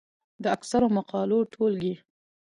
د اکثرو مقالو ټولګې،